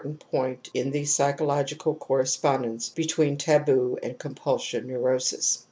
ant point in the psychological correspondence between taboo and compulsion neurosis.